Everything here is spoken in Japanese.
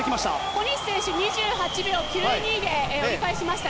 小西選手、２８秒９２で折り返しました。